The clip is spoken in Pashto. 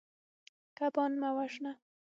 کبان مه وژنه.